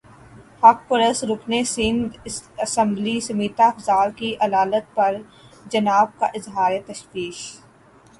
حق پرست رکن سندھ اسمبلی سمیتا افضال کی علالت پر جناب کا اظہار تشویش